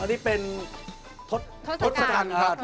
อันนี้เป็นทศกัณฐ์